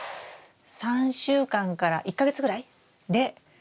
３週間から１か月ぐらいで。